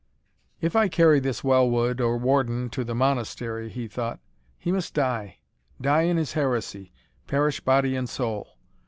"If I carry this Well wood, or Warden, to the Monastery." he thought, "he must die die in his heresy perish body and soul.